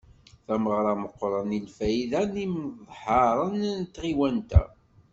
Tameɣra meqqren i lfayda n yimeḍharen n tɣiwant-a.